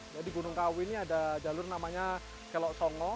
jadi gunung kawi ini ada jalur namanya kelok songo